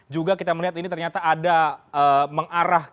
juga kita melihat ini ternyata ada mengarahnya